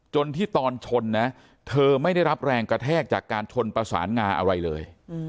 ที่ตอนชนนะเธอไม่ได้รับแรงกระแทกจากการชนประสานงาอะไรเลย